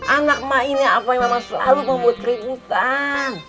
anak emak ini apoy memang selalu membuat ributan